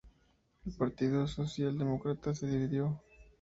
El Partido Socialdemócrata se dividió.